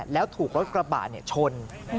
แล้วถูกรถกระบะชน